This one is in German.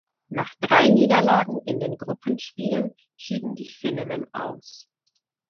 Nach drei Niederlagen in den Gruppenspielen schieden die Finninnen aus.